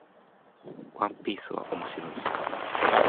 ワンピースは面白い